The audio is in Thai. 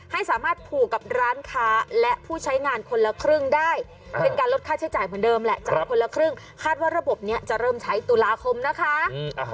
ให้สามารถผูกกับร้านค้าและผู้ใช้งานคนละครึ่งได้เป็นการลดค่าใช้จ่ายเหมือนเดิมแหละจ่ายคนละครึ่งคาดว่าระบบนี้จะเริ่มใช้ตุลาคมนะคะ